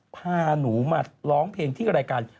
พาหนูมาร้องเพลงที่รายการ